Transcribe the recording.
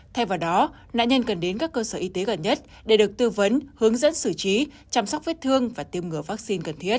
thay vào đó nạn nhân cần đến các cơ sở y tế gần nhất để được tư vấn hướng dẫn xử trí chăm sóc vết thương và tiêm ngừa vaccine cần thiết